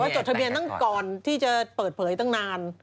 จดทะเบียนตั้งก่อนที่จะเปิดเผยตั้งนาน